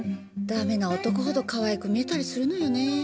ダメな男ほどかわいく見えたりするのよねぇ。